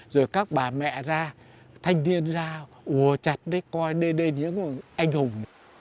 rồi các bà mẹ ra thanh niên ra ùa chặt đấy coi đê đê những anh hùng